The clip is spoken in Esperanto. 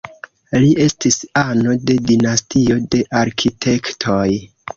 Li estis ano de dinastio de arkitektoj.